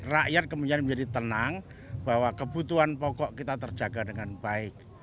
rakyat kemudian menjadi tenang bahwa kebutuhan pokok kita terjaga dengan baik